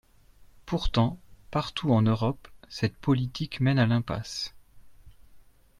Pourtant, partout en Europe, cette politique mène à l’impasse.